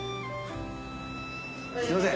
すいません